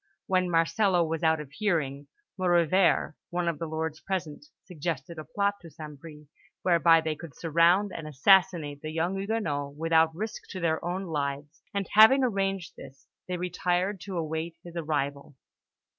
When Marcello was out of hearing, Maurevert, one of the lords present, suggested a plot to St. Bris, whereby they could surround and assassinate the young Huguenot without risk to their own lives; and having arranged this, they retired to await his arrival.